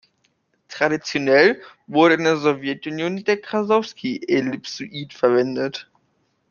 Traditionell wurde in der Sowjetunion der Krassowski-Ellipsoid verwendet.